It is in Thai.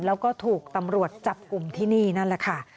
แล้วก็ถูกตำรวจจับกลุ่มที่นี่นั่นแหละค่ะ